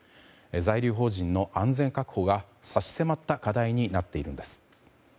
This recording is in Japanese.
在留邦人の安全確保が差し迫った課題になっているんです。